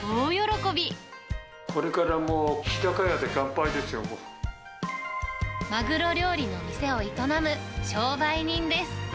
これからもう、マグロ料理の店を営む商売人です。